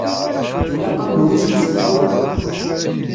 Ilaq-am urijim seg tura.